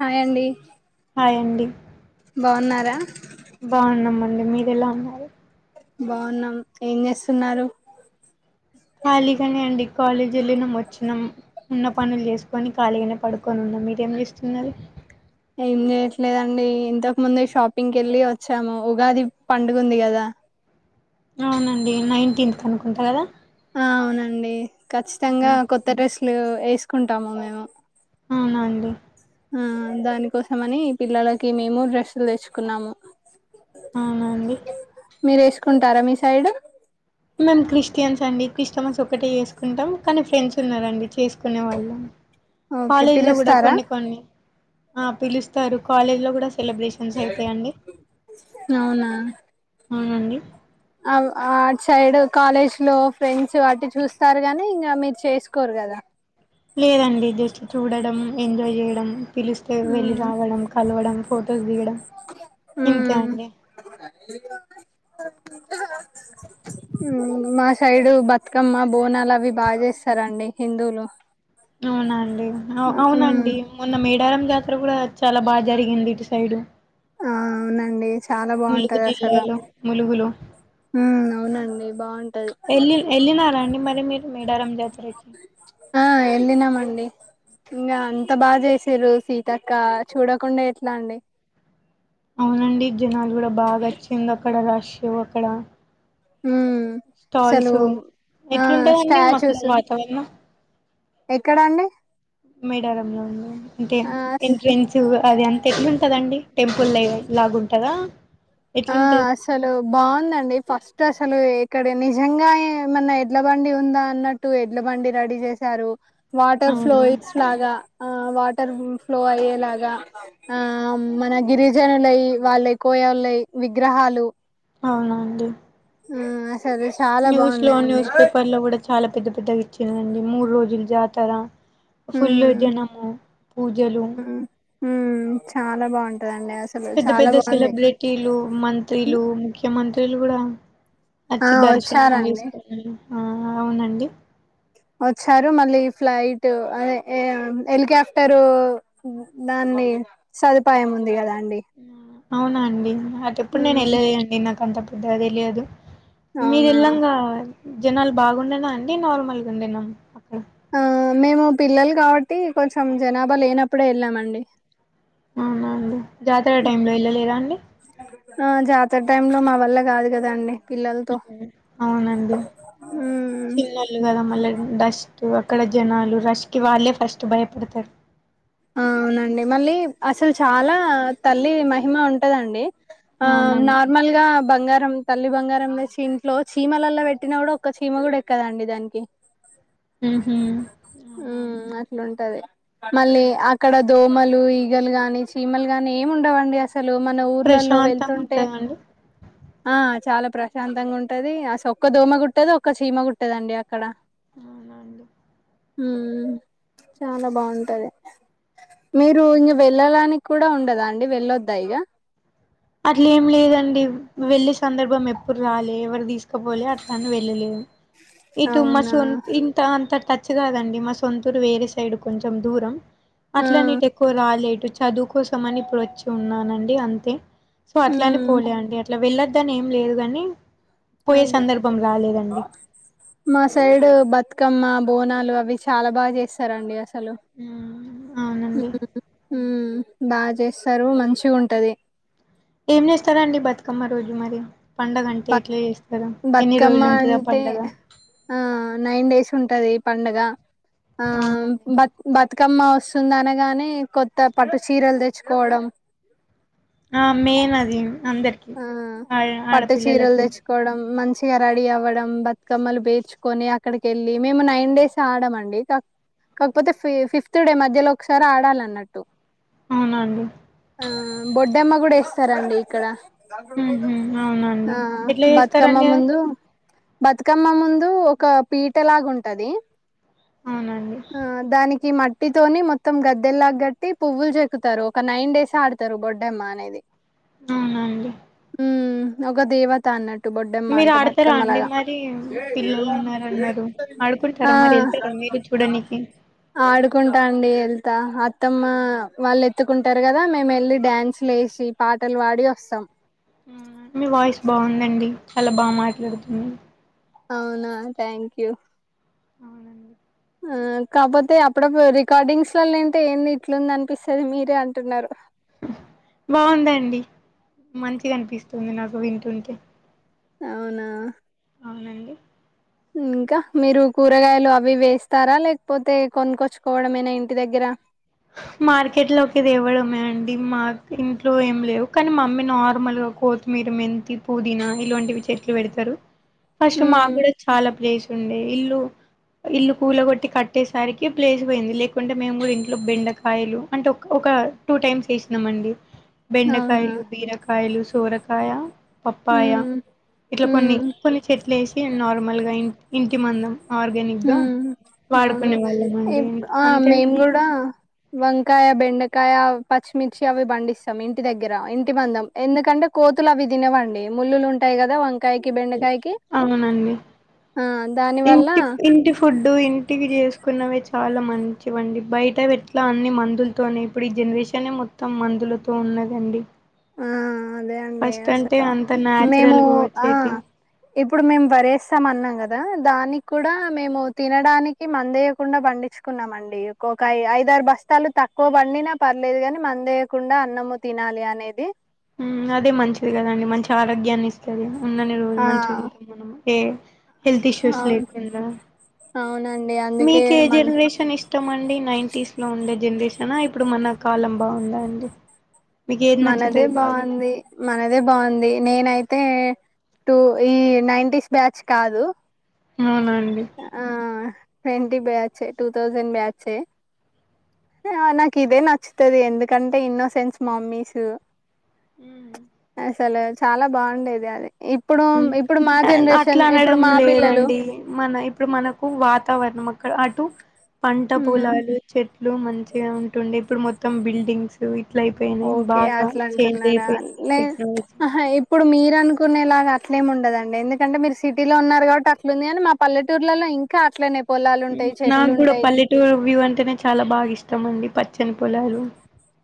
Hi అండి hi అండి బాగున్నారా బాగున్నామండి మీరు ఎలా ఉన్నారు బాగున్నాం ఏం చేస్తున్నారు ఖాళీగానే అండి కాలేజీ వెళ్ళినాం వచ్చినాం ఉన్న పనులు చేసుకొని ఖాళీగానే పడుకొని ఉన్నాం మీరేం చెస్తున్నారు ఏం చేయట్లేదండి ఇంతకు ముందే షాపింగ్ కేళ్ళి వచ్చాము ఉగాది పండుగ ఉంది కదా అవునండి నైన్టీన్త్ కనుకుంటా కదా ఆ అవునండి ఖచ్చితంగా కొత్త డ్రెస్సులు వేసుకుంటాము మేము అవున అండి ఆ దాని కోసం అని పిల్లలకి మేము డ్రెస్సులు తెచ్చుకున్నాము అవునా అండి మీరు వేసుకుంటారా మీ సైడ్ మేమ్ క్రిస్టియన్స్ అండి క్రిస్టమస్ ఒకటే చేసుకుంటాం కానీ ఫ్రెండ్స్ ఉన్నారండి చేసుకునే వాళ్ళు ఓకే కాలేజ్లో కూడా పిలుస్తారా కొన్ని కొన్ని ఆ పిలుస్తారు కాలేజ్లో కూడా సెలబ్రేషన్స్ అయితాయండి అవునండి ఆవ్ ఆట్ సైడ్ కాలేజ్ లో ఫ్రెండ్స్ వాట్టి చూస్తారు గాని ఇంగ మీరు చేసుకోరు కదా లేదండి జస్ట్ చూడడం ఎంజాయ్ చేయడం పిలిస్తే వెళ్ళి ఉమ్ రావడం కలవడం ఫొటోస్ దిగడం ఇంక ఉమ్ అండి హుమ్ మా సైడు బతుకమ్మ బోనాలు అవి బాగా చేస్తారండి హిందువులు అవున అండి ఉమ్ అవునండి మొన్న మేడారం జాతర కూడా చాలా బాగా జరిగింది ఇటు సైడు ఆ అవునండి చాలా ములుగు బాగుంటది అసలు జిల్లాలో ములుగులో ఉమ్ అవునండి బాగుంటది ఎళ్ళ ఎళ్ళినారా అండి మరి మీరు మేడారం జాతరకి ఎళ్లినా మండి ఇంగ అంత బాగా చేసిర్రు సీతక్క చూడకుండా ఎట్లా అండి అవునండి టో అక్కడ హుమ్ సలు స్టాల్స్ ఆ ఎట్లుంటదండి మాకు స్టాచ్చుస్ వాతావరణం ఎక్కడండి మెడారంలో ఉంది అంటే ఆ ఎంట్రెన్సివ్గా అది ఎంత ఎట్లుంటదండి టెంపుల్ లే లాగుంటదా ఆ ఎట్లుంటది అసలు బాగుందండి ఫస్ట్ అసలు ఎ ఇక్కడ నిజంగా ఏమన్నా ఎడ్ల బండి ఉందా అన్నట్టు ఎడ్ల బండి రెడీ చేశారు వాటర్ అవును ఫ్లోయిస్ లాగా ఆ వాటర్ ఫ్లో అయ్యేలాగా ఆ మన గిరిజనులై వాళ్ళై కొ యోల్లాయ్ విగ్రహాలు అవునండి ఉ [unintelligible] న్యూస్ లో న్యూస్ పేపర్ లో కూడా చాలా పెద్ద పెద్దగా ఇచ్చారండి మూడు రోజులు జాతర పూల్ హ్మ్ జనము పూజలు హ్మ్ హ్మ్ చాలా బాగుంట పెద్ద పెద్ద సెలబ్రిటీలు మంత్రులు ముఖ్యమంత్రులు కూడా ఆ వచ్చి దర్శనం వచ్చారండి. చేసుకుని ఆ అవునండి వచ్చారు మళ్ళీ ఫ్లైట్ అదే హెలికాప్టరు దాన్ని సదుపాయం ఉంది కదా అండి అవునా అండి అటు ఎప్పుడు నేను ఉమ్ వెళ్ళలేదండి నాకు అంత పెద్దగా తెలియదు మీరు అవునా వెళ్లాంగా జనాలు బాగుండేనా అండి నార్మల్గా ఉండినా అక్కడ మేము పిల్లలు కాబట్టి కొంచెం జనాభా లేనప్పుడే వెళ్ళామండి అవున అండి జాతర టైం లో వెళ్ళలేదా అండి ఆ జాతర టైమ్ లో మా వల్ల కాదు కదండి పిల్లలతో అవునండి ఉమ్ రస్ట్ అక్కడ జనాలు రష్ కి వాళ్ళే ఫస్ట్ భయపడతారు ఆ అవునండి మళ్ళీ అసలు చాలా తల్లి మహిమ ఉంటదండి ఆ అవునండి నార్మల్గా బంగారం తల్లి బంగారం తెచ్చి ఇంట్లో చీమలలో పెట్టిన కూడా ఒక్క చీమ కూడా ఎక్కదండి దానికి ఉహు అవునా అండి మ్మ్ అట్లాంటది మళ్ళీ అక్కడ దోమలు ఈగలు గాని చీమలు గాని ఏమి ఉండవండి అసల్ అసలు మన ఊర్లల్లో ప్రశాంతంగా వెళ్తుంటే ఉంటదండి ఆ చాలా ప్రశాంతంగా ఉంటాది అసలు ఒక్క దోమ కుట్టదు ఒక్క చీమ కుట్టదండి అక్కడ అవున అండి మ్మ్ చాలా బాగుంటాది మీరు ఇంగా వెళ్ళడానికి కూడా ఉండదా అండి వెళ్ళొద్దా ఇక అట్ల ఏం లేదండి వెళ్ళే సందర్భం ఎప్పుడు రాలే ఎవరు తీసుకు ఇంకా [unintelligible] వెళ్ళలేదు ఇటు మా అవునా సొంత ఇంత అంత టచ్ కాదండి మా సొంతూరు వేరే సైడ్ కొంచెం దూరం ఆ అట్లా అని ఇటు ఎక్కువ రాలేదు చదువు కోసం అని ఇప్పుడు వచ్చి ఉన్నానండి అంతే సో అట్లానే ఉమ్ పోలే అండి అట్లా వెళ్లొద్దని ఏం లేదు కాని అదే మా సైడ్ బతుకమ్మ బోనాలు అవి చాలా బాగా చేస్తారండి అస హలో మ్మ్ అవునండి బాగా చేస్తారు మంచిగా ఉంటాది ఏం చేస్తారండి బతుకమ్మ రోజు మరి పండగంటే ఎట్లా చేస్ బతుకమ్మ అంటే ఆ నైన్ డేస్ ఉంటాది ఇ పండగ ఆ బక్ అవునండి బక్ బతుకమ్మ వస్తుంది అనగానే కొత్త పట్టు చీరలు తెచ్చుకోవడం ఆ మైన్ అది అందర్ ఆ పట్టుచీరలు తెచ్చుకోవడం మంచిగా రెడీ అవ్వడం బతుకమ్మలు బేర్చుకొని అక్కడికి వెళ్ళి మేము నైన్ డేస్ ఆడమండి కాక కాకపోతే ఫి ఫిఫ్త్ డే మధ్యలో ఒకసారి ఆడాల అన్నట్టు అవునండి ఆ బొడ్డమ్మ కూడా ఇస్తారండి ఇక్కడ ఉహు ఆ అవునండి ఎట్లా బతుకమ్మ చేస్తారండి అది ముందు బతుకమ్మ ముందు ఒక పీట లాగా ఉంటాది అవునండి ఆ దానికి మట్ మట్టితోని మొత్తం గద్దెల్లాగ గట్టి పువ్వులు చెక్కుతారు ఒక నైన్ డేస్ ఆడతారు బొడ్డెమ్మ అనేది అవున అండి ఉమ్ ఒక దేవత అన్నట్టు బొడ్డెమ్మ మీరు అంటే ఆడతారా అండి బతుకమ్మలాగా మరి పిల్లలు ఉన్నారన్నారు ఆ ఆడుకుంటారా మరి వెళ్తారండి మీరు చూడానికి ఆడుకుంటా అండి అ అత్తమ్మ వాళ్ళు ఎత్తుకుంటారు కదా మేము వెళ్ళి డ్యాన్స్లు వేసి పాటలు పాడి వస్ సం ఉమ్ మీ వాయిస్ బాగుందండి చాలా బాగా మాట్లాడుతున్నారు అవునా థ్యాంక్ యూ అవునండి ఆ కాకపోతే అప్పుడప్పుడు రికార్డింగ్స్ లోంటే ఏంది ఇట్లుంది అనిపిస్తుంది మీరే అంటున్నారు బాగుందండి మంచిగనిపిస్తుంది నాకు వింటుంటే అవునా అవునండి ఇంకా మీరు కూరగాయలు అవి ఇవి వేస్తారా లేకపోతే కొనుకొచ్చుకోవడం మేనా ఇంటి దగ్గర మార్కెట్ లోకి తేవడమే అండి మా ఇంట్లో ఏమి లేవు కానీ మమ్మీ నార్మల్ గా కోతిమీ మెంతి పుదనా ఇలొంటివి చెట్లు పెడతారు ఫస్ట్ ఉమ్ మకూడా చాలా ప్లేస్ ఉండే ఇల్లు కూల కొట్టి కట్టేసరికి ప్లేస్ పోయింది లేకుంటే మేము కూడా ఇ బెండకాయలు అంటే ఒక ఒక టూ టైమ్స్ వేసినాం అండి అవునా బెండకాయలు, బీరకాయలు, సోరకాయ, పప్పాయ హ్మ్ ఇట్లా కొన్ని హ్మ్ కొన్ని చెట్లు వేసి నార్మల్గా ఇ ఇం మందం ఆర్గానిక్ గా హ్మ్ అవును వాడుకునే వాళ్ళం అండి ఇప్ ఆ అంతేగాని మేము కూడా వంకాయ, బెండకాయ, పచ్చిమిర్చి అవి పండిస్తాం ఇంటి దగ్గర ఇంటి మందం ఎందుకంటే కోతు లు అవి తినవండి ముల్లులు ఉంటాయి కదా వంకాయకి, బెండకాయకి అవునండి ఆ దాని ఇంటి వల్ల ఇంటి ఫుడ్ ఇంటి చేసుకున్నవే చాలా మంచివండి బయటవి ఎట్లా అన్ని మందులతోనే ఇప్పుడు ఈ జనరేషనే మొత్తం మందులతో ఉన్నదండి ఆ అదే అండి ఫస్ట్ అంటే అసలు అంత మేము న్యాచురల్గా ఆ వచ్చేటి ఇప్పుడు మేము వరేస్తాం అన్నాం కదా దానికి కూడా మేము తినడానికి మందేయ్యకుండా పండి కున్నామండి ఒక ఐదారు బస్తాలు తక్కువ పండినా పర్లేదు కాని మందేయకుండా అన్నము తిని నాలి అనేది ఉమ్ అది మంచిది కదండి మంచి ఆరోగ్యాన్ని ఇస్తది ఉన్నని రోజులు ఆ మంచిగుంటుంది మనకు ఏ హెల్త్ ఇష్యూస్ అవును లేకుండా అవునండి అందుకే మీకే మన జనరేషన్ ఇష్టం అండి అ నైన్ంటీస్ లో ఉండే జనరేషన ఇప్పుడు మన కాలం బాగుందా అండి మీకు ఏది మనదే నచ్చుతది బాగా బాగుంది మనదే బాగుంది నేనై తే టూ ఈ నైంటీస్ బ్యాచ్ కాదు. అవునండి ఆ ట్వంటీ బ్యాచే టు థౌజెండ్ బ్యాచే ఆ నాకు ఇదే నచ్చుతది ఎందుకంటే ఇన్నో సెన్స్ మమ్మీస్. మ్ అసలు చాలా బాగుండేది అది ఇప్పుడు ఉమ్ ఇప్పుడు మా అట్ల జనరేషన్ ఇప్పుడు అనడం మా పిల్లలు లేదండి మన ఇప్పుడు మనకు వాతావరణం. అక్కడ అటు పంట ఉమ్, పొలాలు చెట్ లు మంచిగా ఉంటుండే ఇప్పుడు మొత్తం బిల్డింగ్స్ అవి ఓకే అట్లా అంటున్నారా అయిపోయినాయి టెక్నాలజీ లేహా ఇప్పుడు మీరు అనుకునేలాగా అట్లేం ఉండదండి ఎందుకంటే మీరు సిటీలో ఉన్నారు కాబట్టి అట్లుంది అని మా పల్లెటూర్లలో ఇంకా అట్లనే పొలాలు ఉంటాయి చెట్లు నాకు కూడా ఉంటాయి పల్లెటూరు వ్యూ అంటేనే చాలా బాగా ఇష్టం అండి పచ్చని పొలాలు.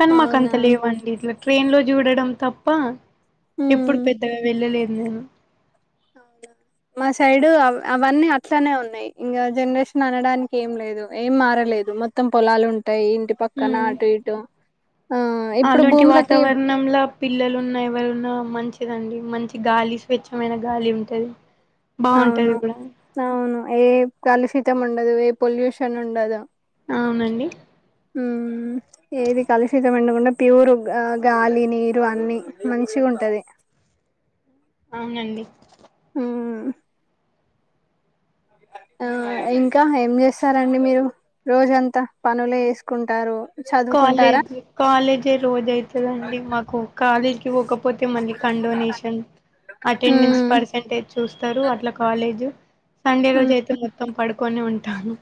కానీ అవునా మాకంత లేవండి ఇట్లా ట్రైన్ లో చూడడం తప్పా ఇప్పుడు ఉమ్ పెద్దగా వెళ్ళలేము అవును మా సైడు అవ్ అవన్నీ అట్లనే ఉన్నాయి ఇంగ జనరేషన్ అనడానికి ఏం లేదు ఏం మార లేదు మొత్తం పొలాలు ఉంటాయి ఇంటి పక్కన అటు ఇటు ఆ ఇప్పుడు అలోంటి భూములకి వాతావరణంంలో పిల్లలు ఉన్నాయి ఎవరు ఉ న్నా మంచిదండి మంచి గాలి స్వేచ్ఛమైన గాలి ఉంటది అవును బాగుంటది కూడా అవును ఏ కలుషితం ఉండదు ఏ పొల్యూషన్ ఉండదు అవునండి హ్మ్ ఏది కలుషితం ఉండకుండా ప్యూర్ గాలి నీరు అన్ని మంచిగ్ ఉంటది అవునండి ఉమ్ ఆ ఇంకా ఏం చేస్తారండి మీరు రోజంతా పనులే ఏసుకుంటారు కాలేజ్ కాలేజే రోజుజైతదండి మాకు కాలేజ్కి వోకపోతే మళ్ళీ కం డొనేషన్ అటెండెన్స్ మ్మ్ పర్సంటేజ్ చూస్తారు అట్లా కాలేజ్ సండే రోజు మ్మ్ అయితే మొత్తం పడుకొనే ఉంటాను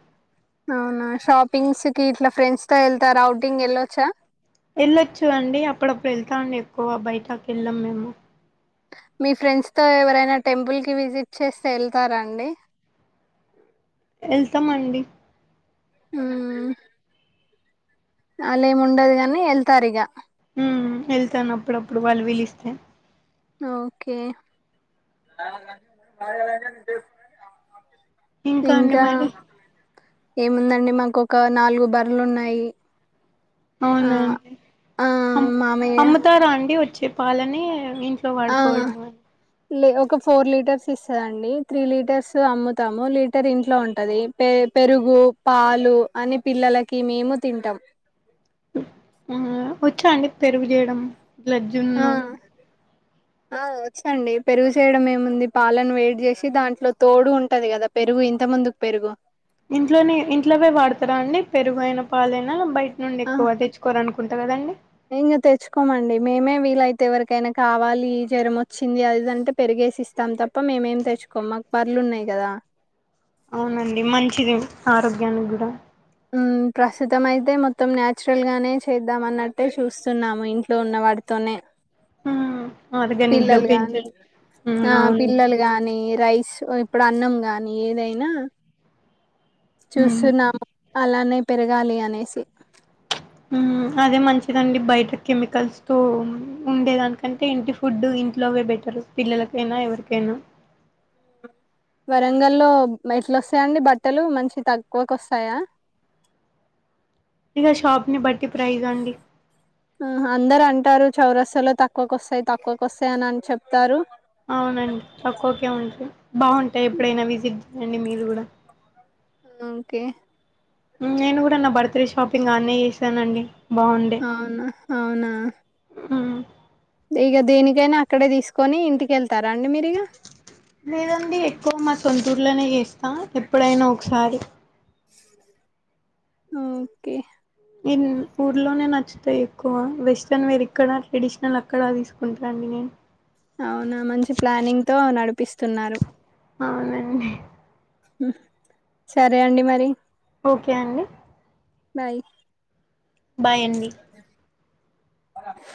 అవునా షాపింగ్స్ కి ఇట్లా ఫ్రెండ్స్ తో వెళ్తారా అఔటింగ్ వెళ్ళొచ్చా వెళ్ళొచ్చు అండి అప్పుడప్పుడు వెళ్తామండి ఎక్కువ బయటకెల్లం మేము మీ ఫ్రెండ్స్ తో ఎవరైనా టెంపుల్ కి విజిట్ చేస్తే వెళ్తారా అండి. [inaudible] ఎల్ల్తమండి హ్మ్ అలెముండదుగని వెల్తార్ ఇగ ఉమ్ ఎళ్తాను అప్పుడప్పుడు వాళ్ళు విలిస్తే ఓకే ఇంకా అండి మరి ఏముందండి మాకు ఒక నాలుగు బర్లున్నాయి అవునా అండి అమ్ మామయ్య అమ్ముతారా అండి వచ్చే పాలని ఇంట్లో ఆ వాడుకోడమా లే ఒక ఫోర్ లీటర్స్ ఇస్తదండి త్రీ లీటర్స్ అమ్ముతాము లీటర్ ఇంట్లో ఉంటది పే పెరుగు పాలు అని పిల్లలకి మేము తింటాం ఆహ్ వచ్చాండి పెరుగు చేయడం ట్లా ఆ జున్ను ఆ వచ్చండి పెరుగు చేయడం ఏముంది పాలను వేడి చేసి దాంట్లో తోడు ఉంటది కదా పెరుగు ఇంత ముందుకు పెరుగు ఇంట్లోనే ఇంట్లవే వాడతారా అండి పెరుగైన పాలైనా బయట నుండి ఆ ఎక్కువ తెచ్చుకోరనుకుంటా కదండి ఇంగ తెచ్చుకోమండి మేమే వీలైతే ఎవరికైనా కావాలి జ్వరం వచ్చింది అదిదంటే పెరిగేసి ఇస్తాం తప్ ప్ప మేమేం తెచ్చుకోమ్ మాక్ బర్లున్నాయి కదా అవునండి మంచిది ఆరోగ్యానికి కూడా హ్మ్ ప్రస్తుతం అయితే మొత్తం న్యాచురల్ గానే చేద్దాం అన్నట్టే చూస్తున్నాము ఇంట్లో ఉన్నవాటీతో తోనే ఉమ్ ఆర్గానిక్ గా పిల్లలు గాని పెంచండి ఉమ్ ఆ అవునండి పిల్లలు గాని రైస్ ఇప్పుడు అన్నం గానీ ఏదైనా ఉమ్ చూస్తున్నాం అలానే పెరగాలి అనేసి హ్మ్ అదే మంచిదండి బయట కెమికల్స్ తో ఉండేదానికంటే ఇంటి ఫుడ్ ఇంట్ ట్లోవే బెటరు పిల్లలకైనా ఎవరికైనా వరంగల్లో ఎట్ల వస్తాయండి బట్టలు మంచి తక్కువకోస్తాయా ఇగ షాప్నీ బట్టి ప్రైస్ అండి అందరు అంటారు చౌరస్తాలో తక్కువకోస్తాయి తక్కువకోస్తాయి అని అని చెప్తారు అవునండి తక్కువకే ఉంటాయి బాగుంటాయి ఎప్పుడైనా విజిట్ చేయండి మీరు కూడా ఓకే నేను గూడ నా బర్త్ డే షాపింగ్ అన్నే చేసానండి అవునా అవునా ఈగ దేనికైనా అక్కడే తీసుకొని ఇంటికెళ్తారా అండి మీరు ఇగ లేదండి ఎక్కువ మా సొంతూర్లోనే జేస్తా ఎప్పుడైనా ఒకసారి ఓకే ఊర్లోనే నచ్చుతాయి ఎక్కువ వెస్ట్రన్ వేరు ఇక్కడ ట్రెడిషనల్ అక్కడా తీసుకుంటాండి నేను త్తున్నారు అవునండి హ్ సరే అండి మరి కే అండి బాయ్ బాయ్ అండి అ